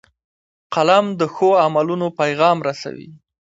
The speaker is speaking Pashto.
قلم د ښو عملونو پیغام رسوي